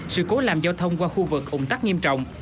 sự cố làm giao thông qua khu vực ủng tắc nghiêm trọng